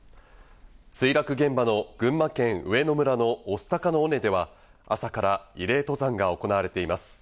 墜落現場の群馬県上野村の御巣鷹の尾根では朝から慰霊登山が行われています。